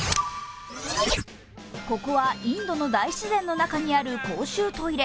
ここはインドの大自然の中にある公衆トイレ。